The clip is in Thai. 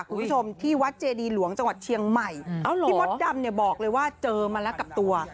คุณผู้ชมที่วัดเจดีหลวงจังหวัดเชียงใหม่พี่มดดำเนี่ยบอกเลยว่าเจอมาแล้วกับตัว